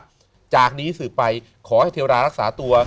รับขันว่าจากนี้สืบไปขอให้เทวดารักษาตัว